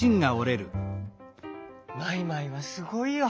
マイマイはすごいよ。